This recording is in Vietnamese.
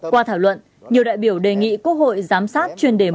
qua thảo luận nhiều đại biểu đề nghị quốc hội giám sát chuyên đề một